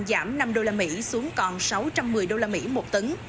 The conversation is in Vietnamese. giảm năm đô la mỹ xuống còn sáu trăm một mươi đô la mỹ một tấn